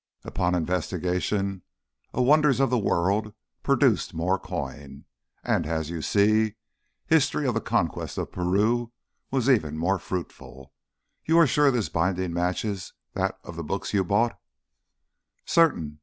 Upon investigation a Wonders of the World produced more coin. And, as you see, History of the Conquest of Peru was even more fruitful. You are sure this binding matches that of the books you bought?" "Certain.